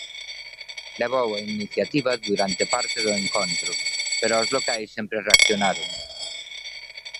Levou a iniciativa durante parte do encontro, pero os locais sempre reaccionaron.